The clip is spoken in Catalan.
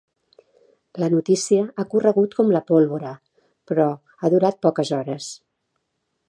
La notícia ha corregut com la pólvora, però ha durat poques hores.